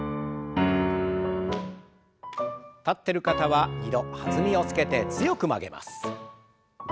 立ってる方は２度弾みをつけて強く曲げます。